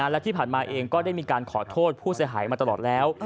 และที่ผ่านมาเองก็ได้มีการขอโทษผู้เสียหายมาตลอดแล้ว